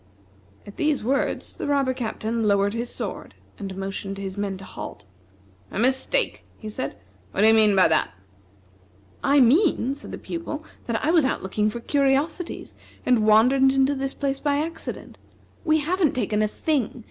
At these words, the robber captain lowered his sword, and motioned to his men to halt. "A mistake!" he said; "what do you mean by that?" "I mean," said the Pupil, "that I was out looking for curiosities, and wandered into this place by accident. We haven't taken a thing.